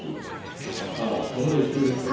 ああこの潮ですか。